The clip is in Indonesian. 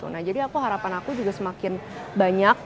nah jadi harapan aku juga semakin banyak